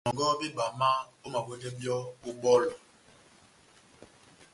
Nɔngɔhɔ bebama, omawɛdɛ byɔ́ ó bɔlɔ.